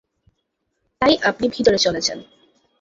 তাই আপনি ভিতরে চলে যান।